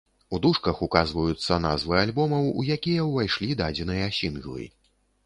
У дужках указваюцца назвы альбомаў, у якія ўвайшлі дадзеныя сінглы.